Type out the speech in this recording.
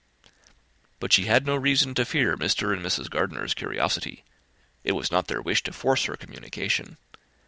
But she had no reason to fear Mr. and Mrs. Gardiner's curiosity; it was not their wish to force her communication.